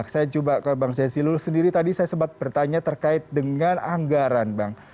saya coba ke bang zazilul sendiri tadi saya sempat bertanya terkait dengan anggaran bang